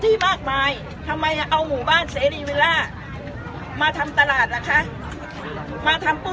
ที่มากมายทำไมเอาหมู่บ้านเสรีวิลล่ามาทำตลาดล่ะคะมาทำปู